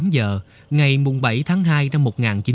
một mươi tám h ngày bảy tháng hai năm một nghìn chín trăm tám mươi một